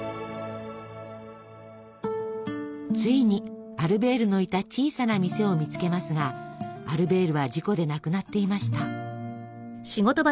ついにアルベールのいた小さな店を見つけますがアルベールは事故で亡くなっていました。